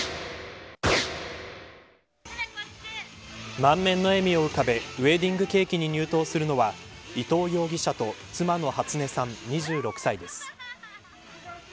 満面の笑みを浮かべウエディングケーキに入刀するのは伊藤容疑者と妻の初音さん、２６歳です。